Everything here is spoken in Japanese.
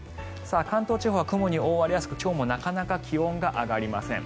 関東地方は雲に覆われやすく今日もなかなか気温が上がりません。